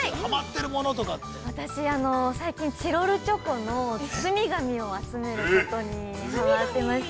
◆私は、最近チロルチョコの包み紙を集めることに、はまってまして。